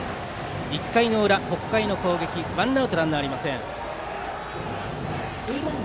１回裏、北海の攻撃ワンアウトランナーありません。